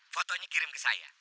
fotoinnya kirim ke saya